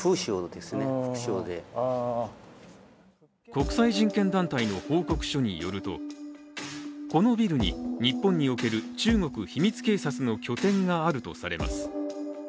国際人権団体の報告書によるとこのビルに日本における中国秘密警察の拠点があるとされます。